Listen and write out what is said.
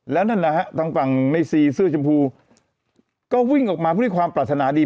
แล้วนั่นนะฮะทางฝั่งในซีเสื้อชมพูก็วิ่งออกมาเพื่อด้วยความปรารถนาดี